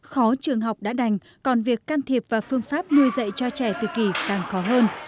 khó trường học đã đành còn việc can thiệp và phương pháp nuôi dạy cho trẻ tự kỷ càng khó hơn